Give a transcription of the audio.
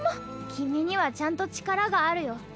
君にはちゃんと力があるよ。